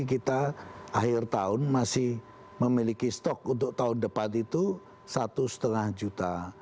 kita akhir tahun masih memiliki stok untuk tahun depan itu satu lima juta